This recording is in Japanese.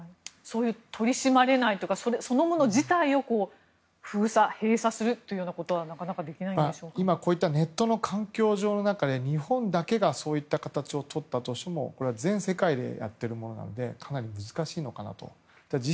取り締まれないとかそのもの自体を封鎖、閉鎖するというようなことはこういったネットの環境の中で日本だけがそういった形をとったとしてもこれは全世界でやっているものなのでかなり難しいと思います。